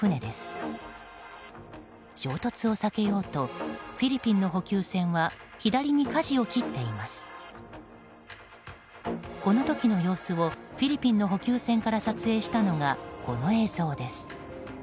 この時の様子をフィリピンの補給船から撮影したのがこの映像です。